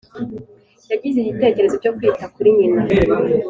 yagize igitekerezo cyo kwita kuri nyina